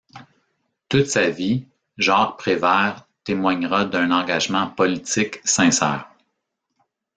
Toute sa vie, Jacques Prévert témoignera d'un engagement politique sincère.